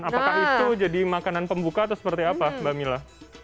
apakah itu jadi makanan pembuka atau seperti apa mbak mila